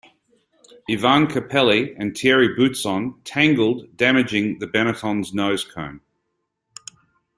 Ivan Capelli and Thierry Boutsen tangled, damaging the Benetton's nosecone.